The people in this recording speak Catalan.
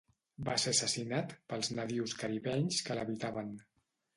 Va ser assassinat pels nadius caribenys que l'habitaven.